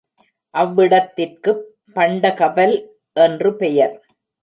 அவ்விடத்திற்குப் பண்டகபல் என்று பெயர்.